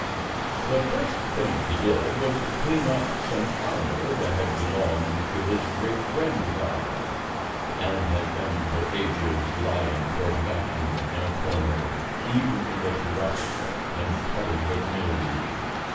The first thing he did was to clean up some armor that had belonged to his great grandfather, and had been for ages lying forgotten in a corner, eaten with rust and covered with mildew.